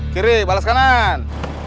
kiri balas kanan